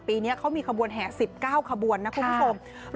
ปีนี้เขามีขบวนแห่๑๙ขบวนนะคุณผู้ชม